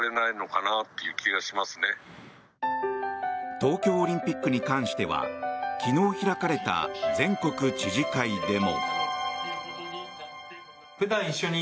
東京オリンピックに関しては昨日開かれた全国知事会でも。